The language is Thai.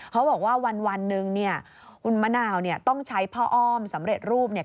เขาบอกว่าวันหนึ่งเนี่ยคุณมะนาวเนี่ยต้องใช้พ่ออ้อมสำเร็จรูปเนี่ย